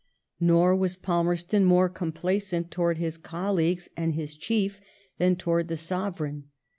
Nor was Palmerston more complacent towards his colleagues and his Chief than towards the Sovereign.